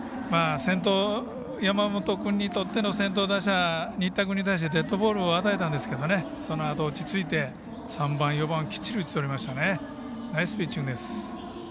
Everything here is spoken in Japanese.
山本君にとっての先頭打者新田君に対してデッドボールを与えたんですけどそのあと、落ち着いて３番、４番きっちり打ちとりましたね。